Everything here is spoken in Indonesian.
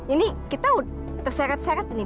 ini kita terseret seret nih